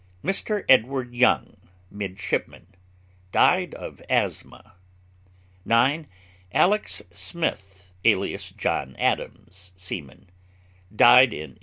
Mr. EDWARD YOUNG, midshipman, died of asthma. 9. ALEX. SMITH, alias John Adams, seaman, died in 1829.